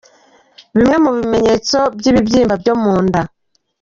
Bimwe mu bimenyetso by’ibibyimba byo mu nda.